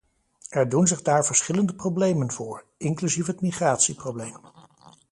Er doen zich daar verschillende problemen voor, inclusief het migratieprobleem.